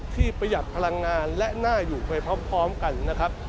ประหยัดพลังงานและน่าอยู่ไปพร้อมกันนะครับ